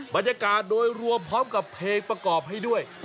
บรรยากาศโดยรวมพร้อมกับเพลงประกอบให้ด้วย